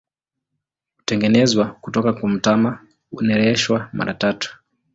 Hutengenezwa kutoka kwa mtama, hunereshwa mara tatu.